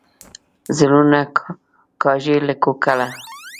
زړونه کاږي له کوګله.